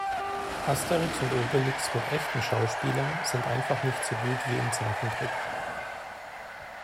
Asterix und Obelix mit echten Schauspielern sind einfach nicht so gut wie in Zeichentrick.